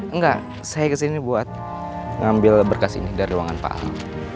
enggak saya ke sini buat ngambil berkas ini dari ruangan pak al